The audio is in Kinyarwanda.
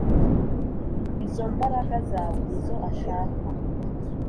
Izombaraga zawe nizo ashaka